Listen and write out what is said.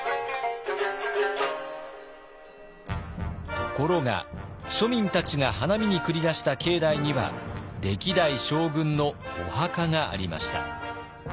ところが庶民たちが花見に繰り出した境内には歴代将軍のお墓がありました。